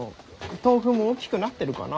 とうふも大きくなってるかな？